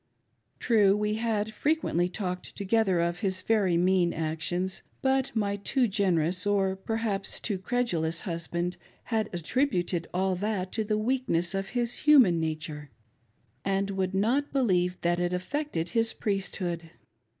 True, we had frequently talked together of his very mean actions ; but my too generous, or perhaps too credulous, husband had attributed all that to the weakness of his human nature, and would not believe that it affected his priesthood.